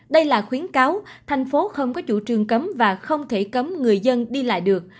đây là khuyến cáo thành phố không có chủ trương cấm và không thể cấm người dân đi lại được